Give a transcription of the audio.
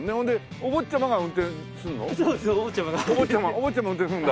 お坊ちゃま運転するんだ。